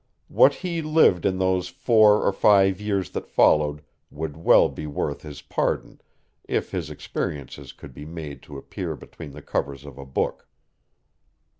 What he lived in those four or five years that followed would well be worth his pardon if his experiences could be made to appear between the covers of a book.